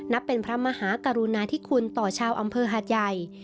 เป็นพระมหากรุณาธิคุณต่อชาวอำเภอหาดใหญ่